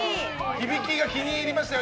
響きが気に入りましたよ